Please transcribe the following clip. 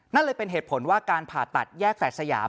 นั่นเลยเป็นเหตุผลว่าการผ่าตัดแยกแฝดสยาม